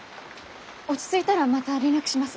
落ち着いたらまた連絡します。